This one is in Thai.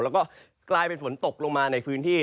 แล้วก็กลายเป็นฝนตกลงมาในพื้นที่